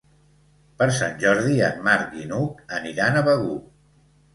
Per Sant Jordi en Marc i n'Hug aniran a Begur.